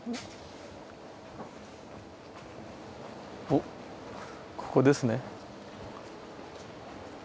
おっここですね。